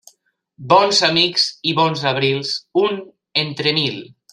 Bons amics i bons abrils, un entre mil.